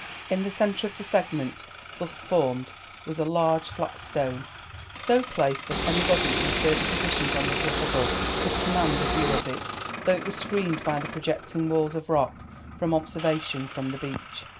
In the centre of the segment thus formed was a large flat stone, so placed that anybody in certain positions on the cliff above could command a view of it, though it was screened by the projecting walls of rock from observation from the beach.